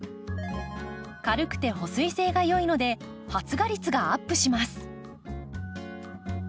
軽くて保水性が良いので発芽率がアップします。